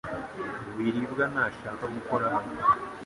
Biribwa ntashaka gukora hano .